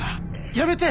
やめて！